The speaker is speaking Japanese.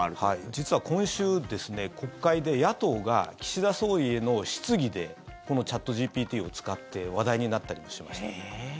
実は今週、国会で野党が岸田総理への質疑でこのチャットＧＰＴを使って話題になったりもしました。